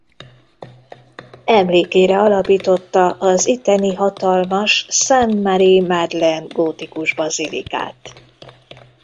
Emlékére alapította az itteni hatalmas Sainte Marie-Madeleine gótikus bazilikát.